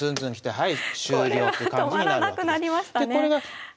はい。